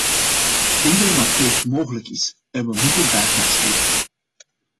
Ik denk dat een akkoord mogelijk is en we moeten daarnaar streven.